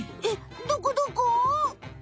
えっ？どこどこ？